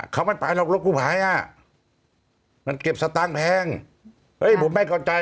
เขาไม่ไปหรอกรถกุภายมันเก็บสตางค์แพงผมไม่เข้าใจ